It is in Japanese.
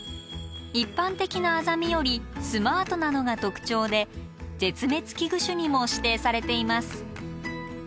一般的なアザミよりスマートなのが特徴で絶滅危惧種にも指定されています。